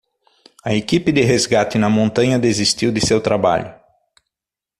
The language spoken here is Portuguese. A equipe de resgate na montanha desistiu de seu trabalho.